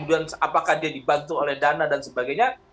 apakah dia dibantu oleh dana dan sebagainya